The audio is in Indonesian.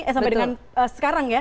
eh sampai dengan sekarang ya